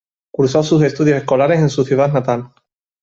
Cursó sus estudios escolares en su ciudad natal.